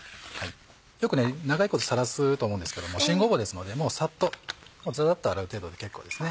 よく長いことさらすと思うんですけども新ごぼうですのでもうサッとざざっと洗う程度で結構ですね。